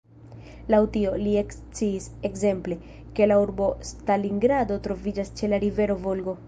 Laŭ tio, li eksciis, ekzemple, ke “la urbo Stalingrado troviĝas ĉe la rivero Volgo.